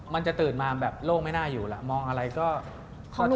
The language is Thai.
มันจะตื่นมาแบบโลกไม่น่าอยู่แหละมองอะไรก็เข้าใจ